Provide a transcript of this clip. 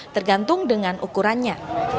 tergantung dengan ukurannya